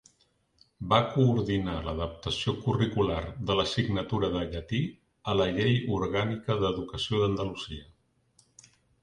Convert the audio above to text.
Va coordinar l'adaptació curricular de l'assignatura de llatí a la Llei Orgànica d'Educació d'Andalusia.